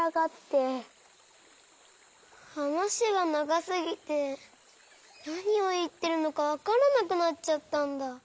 はなしがながすぎてなにをいってるのかわからなくなっちゃったんだ。